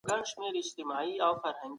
دوی د علمي نظريو لمن پراخوي.